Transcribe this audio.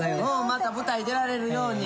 また舞台出られるように。